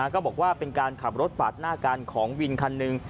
ก็บอกว่าเป็นการขับรถปาดหน้ากันของวินคันหนึ่ง